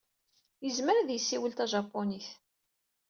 Yezmer ad yessiwel tajapunit.